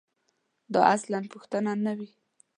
دا اصلاً پوښتنه نه وي.